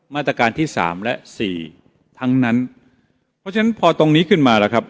มาตรการที่สามและสี่ทั้งนั้นเพราะฉะนั้นพอตรงนี้ขึ้นมาแล้วครับ